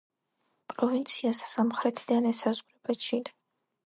პროვინციას სამხრეთიდან ესაზღვრება ჩილე.